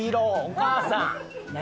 お母さん。